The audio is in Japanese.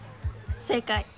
正解。